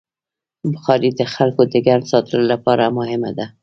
بخاري د خلکو د ګرم ساتلو لپاره مهمه ده.